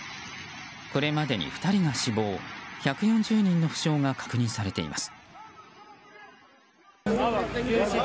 これまでに２人が死亡１４０人の負傷が確認されています。